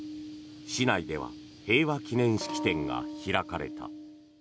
市内では平和記念式典が開かれた。